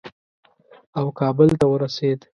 او کابل ته ورسېد.